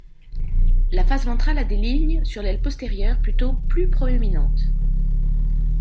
La face ventrale a des lignes sur l'aile postérieure plutôt plus proéminentes.